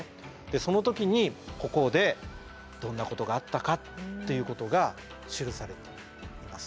その時にここでどんなことがあったかっていうことが記されています。